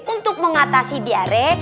untuk mengatasi diare